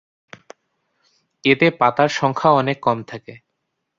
এতে পাতার সংখ্যাও অনেক কম থাকে।